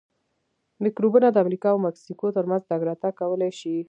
میکروبونه د امریکا او مکسیکو ترمنځ تګ راتګ کولای شي.